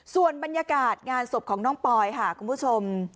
ส่วนบรรยากาศงานศพของน้องปอยค่ะคุณผู้ชม